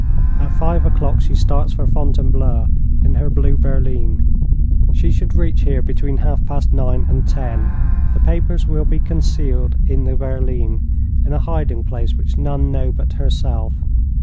At five o'clock she starts for Fontainebleau in her blue berline. She should reach here between half past nine and ten. The papers will be concealed in the berline, in a hiding place which none know but herself.